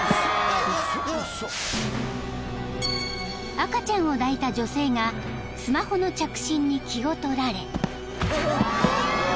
［赤ちゃんを抱いた女性がスマホの着信に気を取られ］